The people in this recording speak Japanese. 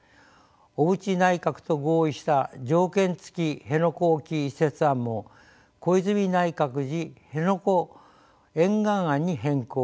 小渕内閣と合意した条件付き辺野古沖移設案も小泉内閣時辺野古沿岸案に変更。